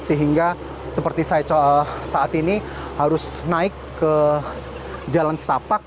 sehingga seperti saya saat ini harus naik ke jalan setapak